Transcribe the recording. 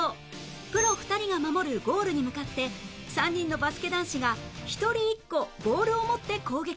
プロ２人が守るゴールに向かって３人のバスケ男子が１人１個ボールを持って攻撃